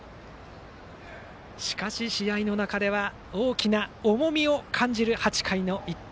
しかし、試合の中では大きな重みを感じる８回の１点。